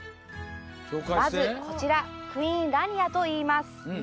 まず、クイーンラニアといいます。